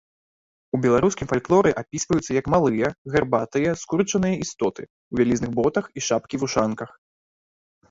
У беларускім фальклоры апісваюцца як малыя, гарбатыя, скурчаныя істоты, у вялізных ботах і шапкі-вушанках.